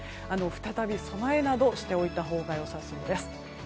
再び備えなどしておいたほうがよさそうです。